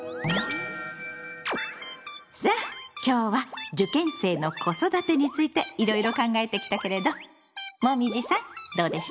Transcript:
さあ今日は「受験生の子育て」についていろいろ考えてきたけれどもみじさんどうでした？